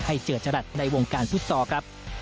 ให้เจรจรัจในวงการทุศทรอครับ